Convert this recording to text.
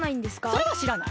それはしらない。